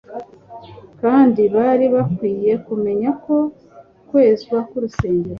kandi bari bakwinye kumenya ko kwezwa k'urusengero